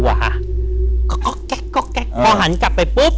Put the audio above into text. พอหันกลับไปปุ๊บ